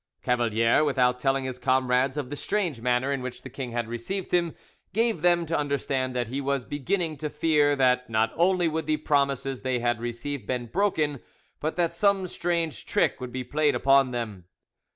Cavalier, without telling his comrades of the strange manner in which the king had received him, gave them to understand that he was beginning to fear that not only would the promises they had received be broken, but that some strange trick would be played upon them.